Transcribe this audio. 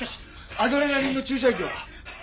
アドレナリンの注射液は？